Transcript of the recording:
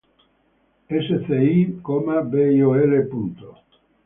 Sci., Biol.